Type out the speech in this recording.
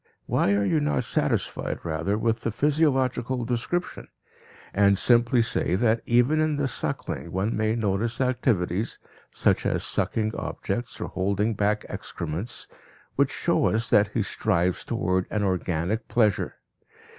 Why are you not satisfied rather with the physiological description, and simply say that even in the suckling one may notice activities, such as sucking objects or holding back excrements, which show us that he strives towards an organic pleasure?